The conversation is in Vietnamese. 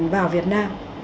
vào việt nam